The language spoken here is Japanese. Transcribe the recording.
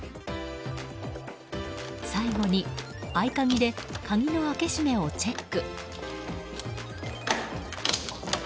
最後に、合鍵で鍵の開け閉めをチェック。